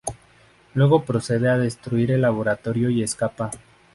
Luego procede a destruir el laboratorio y escapa.